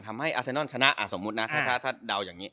อาเซนอนชนะสมมุตินะถ้าเดาอย่างนี้